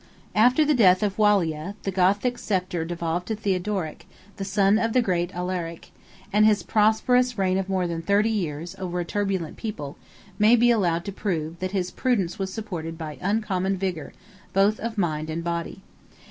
After the death of Wallia, the Gothic sceptre devolved to Theodoric, the son of the great Alaric; 10 and his prosperous reign of more than thirty years, over a turbulent people, may be allowed to prove, that his prudence was supported by uncommon vigor, both of mind and body.